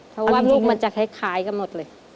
เพราะว่าลูกมันจะคล้ายกันหมดเลย